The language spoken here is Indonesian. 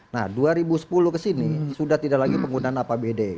nah dua ribu sepuluh ke sini sudah tidak lagi penggunaan apbd